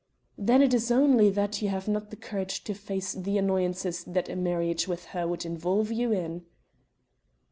"Then it is only that you have not the courage to face the annoyances that a marriage with her would involve you in?"